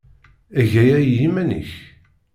Eg aya i yiman-nnek.